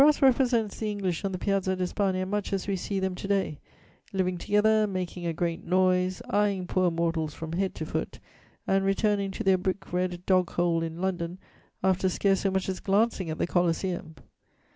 ] De Brosses represents the English on the Piazza d'Espagna much as we see them to day, living together, making a great noise, eyeing poor mortals from head to foot, and returning to their brick red dog hole in London, after scarce so much as glancing at the Coliseum.